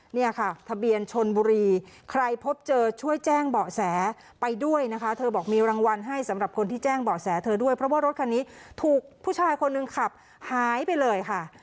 เนี่ยค่ะทะเบียนชนบุรีใครพบเจอช่วยแจ้งเบาะแสไปด้วยนะคะเธอบอกมีรางวัลให้สำหรับคนที่แจ้งเบาะแสเธอด้วยเพราะว่ารถคันนี้ถูกผู้ชายคนหนึ่งขับหายไปเลยค่ะ